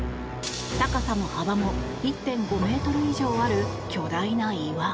高さも幅も１．５ｍ以上ある巨大な岩。